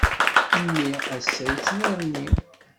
Mmi ass-a yettnerni.